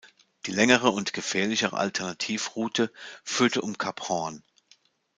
Die längere und gefährlichere Alternativroute führte um Kap Hoorn.